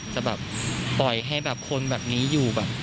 จะแบบปล่อยให้แบบคนแบบนี้อยู่แบบ